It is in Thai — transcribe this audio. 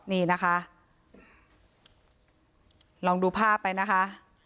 นี่นะคะลองดูภาพไปนะคะ